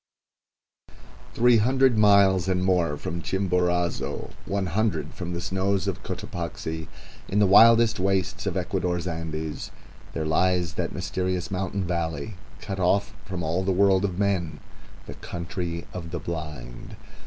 Three hundred miles and more from Chimborazo, one hundred from the snows of Cotopaxi, in the wildest wastes of Ecuador's Andes, there lies that mysterious mountain valley, cut off from the world of men, the Country of the Blind.